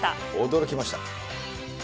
驚きました。